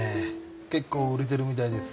結構売れてるみたいです。